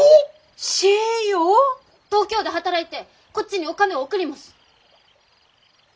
東京で働いてこっちにお金を送ります。